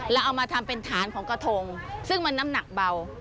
แล้วเอามาทำเป็นฐานของกระทงซึ่งมันน้ำหนักเบา